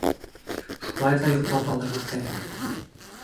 Шулай ҙа йоҡлап алырға кәрәк.